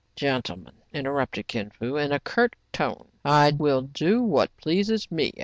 "Gentlemen," interrupted Kin Fo, in a curt tone, '* I will do what pleases me.